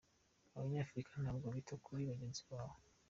Abanyafurika ntabwo bita kuri bagenzi babo.